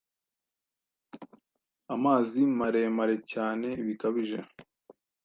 Amazi maremare cyane bikabije